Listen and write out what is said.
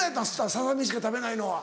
ささ身しか食べないのは。